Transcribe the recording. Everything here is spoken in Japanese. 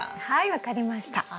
はい分かりました。